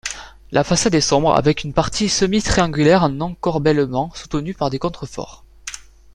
La façade est sobre, avec une partie semi-triangulaire en encorbellement soutenue par des contreforts.